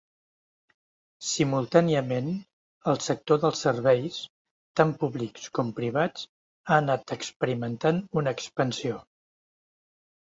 Simultàniament, el sector dels serveis, tant públics com privats, ha anat experimentant una expansió.